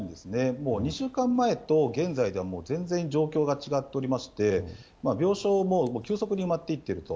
もう２週間前と現在ではもう全然状況が違っておりまして、病床も急速に埋まっていっていると。